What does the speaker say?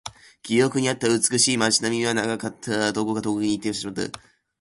記録にあった美しい街並みはなかった。どこか遠くに行ってしまった。